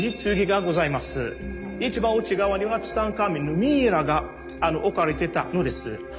一番内側にはツタンカーメンのミイラが置かれてたのです。